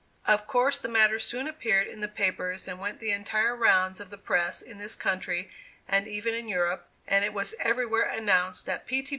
Of course, the matter soon appeared in the papers and went the entire rounds of the press in this country and even in Europe, and it was everywhere announced that P. T.